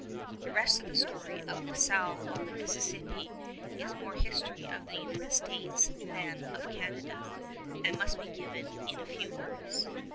The rest of the story of La Salle on the Mississippi is more the history of the United States than of Canada, and must be given in few words.